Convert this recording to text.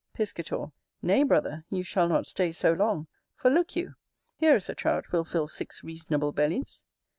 Piscator. Nay, brother, you shall not stay so long; for, look you! here is a Trout will fill six reasonable bellies.